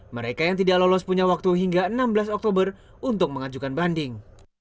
mereka yang tidak lolos punya waktu hingga enam belas oktober untuk mengajukan banding